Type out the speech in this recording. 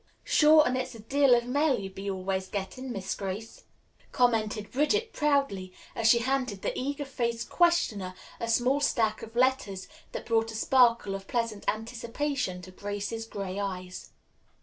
"Sure and it's a deal of mail ye be always gettin', Miss Grace," commented Bridget proudly, as she handed the eager faced questioner a small stack of letters that brought a sparkle of pleasant anticipation to Grace's gray eyes.